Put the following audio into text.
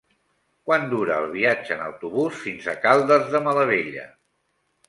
Quant dura el viatge en autobús fins a Caldes de Malavella?